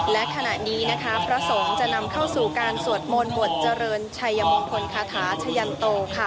และขณะนี้นะคะพระสงฆ์จะนำเข้าสู่การสวดมนต์บทเจริญชัยมงคลคาถาชะยันโตค่ะ